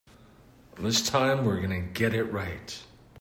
This time we're going to get it right.